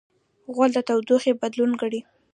غول د تودوخې بدلون ګڼي.